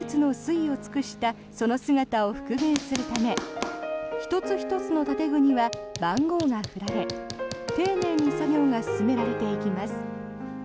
釘を使わないなど宮大工が技術の粋を尽くしたその姿を復元するため１つ１つの建具には番号が振られ丁寧に作業が進められていきます。